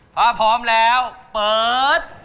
ถ้าพร้อมแล้วเปิด